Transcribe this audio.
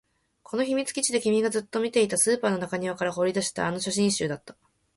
この秘密基地で君がずっと見ていた、スーパーの中庭から掘り出したあの写真集だった